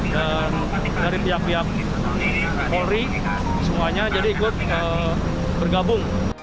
dan dari pihak pihak polri semuanya jadi ikut bergabung